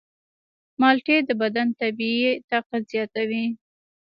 مالټې د بدن طبیعي طاقت زیاتوي.